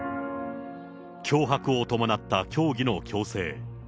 脅迫を伴った教義の強制。